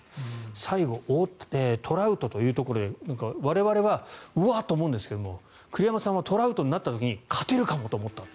最後、トラウトというところで我々はうわっと思うんですが栗山さんはトラウトになった時に勝てるかもと思ったと。